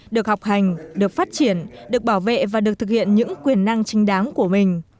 được học hành được phát triển được bảo vệ và được thực hiện những quyền năng chính đáng của mình